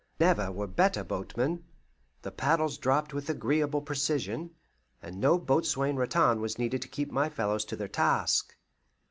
Never were better boatmen. The paddles dropped with agreeable precision, and no boatswain's rattan was needed to keep my fellows to their task.